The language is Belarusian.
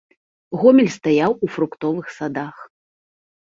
Гомель стаяў у фруктовых садах.